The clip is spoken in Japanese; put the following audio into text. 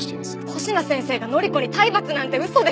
星名先生が範子に体罰なんて嘘です！